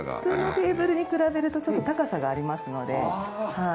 普通のテーブルに比べるとちょっと高さがありますので。